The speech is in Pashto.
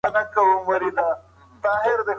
خیر محمد ته د بډایه خلکو چلند بد ښکاره شو.